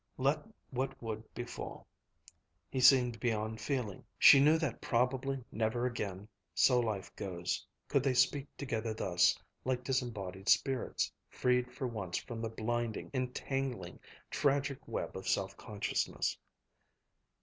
Let what would, befall. He seemed beyond feeling. She knew that probably never again, so life goes, could they speak together thus, like disembodied spirits, freed for once from the blinding, entangling tragic web of self consciousness.